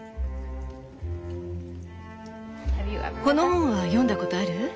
この本は読んだことある？